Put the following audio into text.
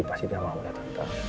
pasti dia mau datang